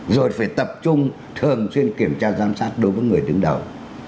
rồi phải tập trung thường xuyên kiểm tra giám sát đối với người đứng đầu